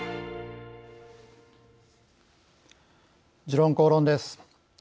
「時論公論」です。